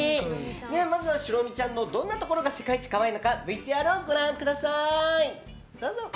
まずはしろみちゃんのどんなところが世界一可愛いのかＶＴＲをご覧ください。